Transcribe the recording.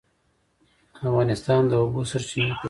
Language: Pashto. افغانستان د د اوبو سرچینې کوربه دی.